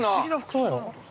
◆そうよ。